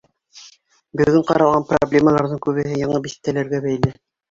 — Бөгөн ҡаралған проблемаларҙың күбеһе яңы биҫтәләргә бәйле.